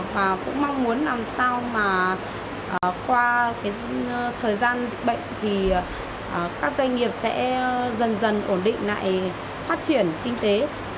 và cũng mong muốn làm sao mà qua cái thời gian dịch bệnh thì các doanh nghiệp sẽ dần dần ổn định lại phát triển kinh tế